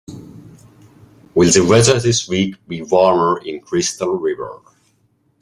Will the weather this week be warmer in Crystal River?